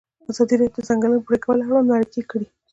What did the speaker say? ازادي راډیو د د ځنګلونو پرېکول اړوند مرکې کړي.